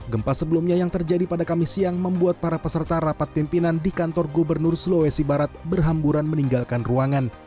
gempa sebelumnya yang terjadi pada kamis siang membuat para peserta rapat pimpinan di kantor gubernur sulawesi barat berhamburan meninggalkan ruangan